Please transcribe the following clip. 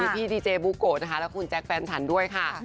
พี่ดิเจบุ๊คโกและคุณแจ๊กแฟนทันด้วยค่ะ